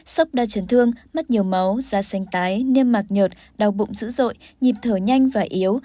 sốc đa chấn thương mất nhiều máu da xanh tái niêm mạc nhợt đau bụng dữ dội nhịp thở nhanh và yếu